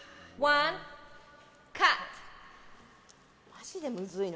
マジでむずいね。